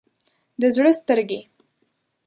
د زړه سترګې